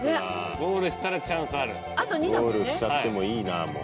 ゴールしちゃってもいいなもう。